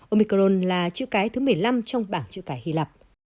omicron là chữ cái thứ một mươi năm trong bảng chữ tài hy lạp